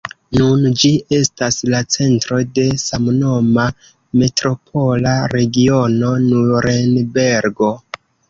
Nun ĝi estas la centro de samnoma Metropola regiono Nurenbergo.